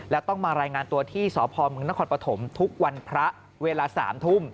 แล้วต้องมารายงานตัวที่สพมนครปฐมทุกวันพระเวลา๓ทุ่ม